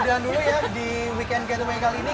jangan dulu ya di weekend getaway kali ini